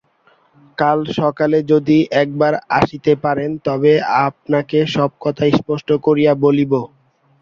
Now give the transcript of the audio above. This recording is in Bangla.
কাল সকালে যদি একবার আসিতে পারেন, তবে আপনাকে সব কথা স্পষ্ট করিয়া বলিব।